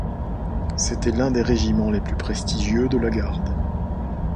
C'était l'un des régiments les plus prestigieux de la Garde.